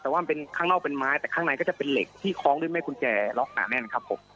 แต่ว่ามันเป็นข้างนอกเป็นไม้แต่ข้างในก็จะเป็นเหล็กที่คล้องด้วยแม่กุญแจล็อกหนาแน่นครับผม